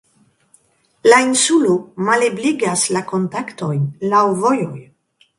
La insulo malebligas la kontaktojn laŭ vojoj.